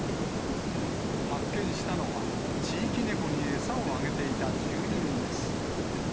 発見したのは、地域猫に餌をあげていた住人です。